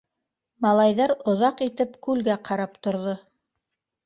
Малайҙар оҙаҡ итеп күлгә ҡарап торҙо.